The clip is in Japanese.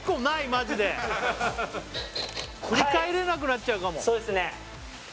マジで振り返れなくなっちゃうかもはいそうですね